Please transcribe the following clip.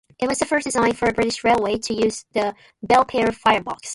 It was the first design for a British railway to use the Belpaire firebox.